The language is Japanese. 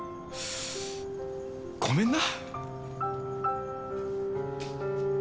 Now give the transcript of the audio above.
ごめんな。